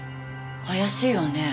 怪しいわね。